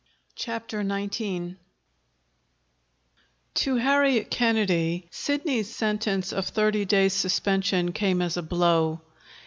CHAPTER XIX To Harriet Kennedy, Sidney's sentence of thirty days' suspension came as a blow.